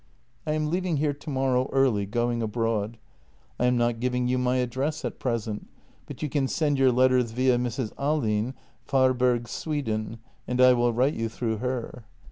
I am leaving here tomorrow early, going abroad. I am not giving you my address at present, but you can send your letters via Mrs. Ahlin, Varberg, Sweden, and I will write you through her.